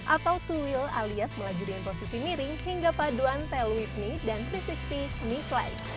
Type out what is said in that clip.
atau dua wheel alias melajur dengan posisi miring hingga paduan tail whip knee dan tiga ratus enam puluh knee climb